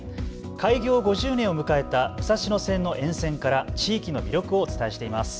開業５０年を迎えた武蔵野線の沿線から地域の魅力をお伝えしています。